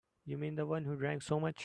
You mean the one who drank so much?